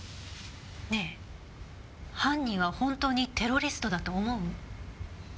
ねえ犯人は本当にテロリストだと思う？